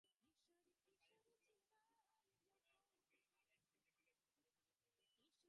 এসব গাড়ির শুল্কায়ন বা বিল অব এন্ট্রি দাখিলের প্রক্রিয়া শুরু হয়ে গেছে।